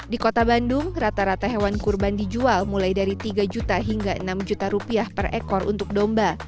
di kota bandung rata rata hewan kurban dijual mulai dari tiga juta hingga enam juta rupiah per ekor untuk domba